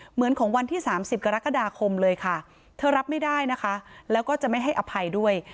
เหมือนของวันที่๓๐กรกฎาคมเลยค่ะเธอรับไม่ได้นะคะแล้วก็จะไม่ให้อภัยด้วย